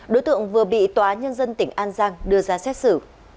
đối tượng vừa bị tòa nhân dân tỉnh an giang đưa ra xét xử